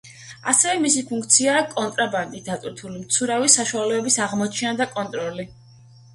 ასევე მისს ფუნქციაა კონტრაბანდით დატვირთული მცურავი საშუალებების აღმოჩენა და კონტროლი.